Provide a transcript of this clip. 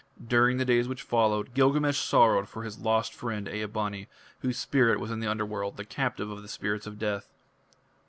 During the days which followed Gilgamesh sorrowed for his lost friend Ea bani, whose spirit was in the Underworld, the captive of the spirits of death.